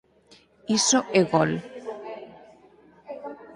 Iso é gol.